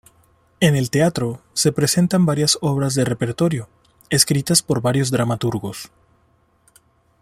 En el teatro se presentan varias obras de repertorio, escritas por varios dramaturgos.